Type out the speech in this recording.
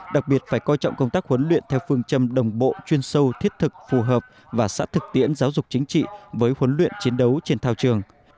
đặc biệt phải coi trọng công tác huấn luyện theo phương châm đồng bộ chuyên sâu thiết thực phù hợp và sát thực tiễn giáo dục chính trị với huấn luyện chiến đấu trên thao trường